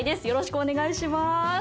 よろしくお願いします。